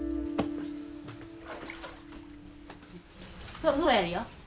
そろそろやりよ。